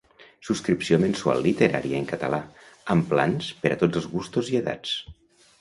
Subscripció mensual literària en català, amb plans per a tots els gustos i edats.